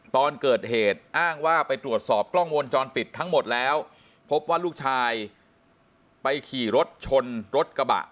ตอนเกิดเหตุอ้างว่าไปตรวจสอบกล้องวงจรปิดทั้งหมดแล้วพบว่าลูกชายไปขี่รถชนรถกระบะ